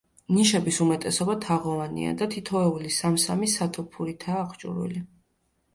ნიშების უმეტესობა თაღოვანია და თითოეული სამ-სამი სათოფურითაა აღჭურვილი.